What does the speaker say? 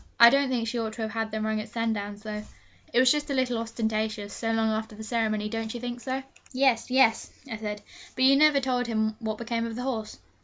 I don't think she ought to have had them rung at Sandown though: it was just a little ostentatious, so long after the ceremony; don't you think so?' 'Yes yes,' I said; 'but you never told me what became of the horse.'